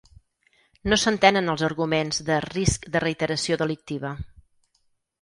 No s’entenen els arguments de “risc de reiteració delictiva”.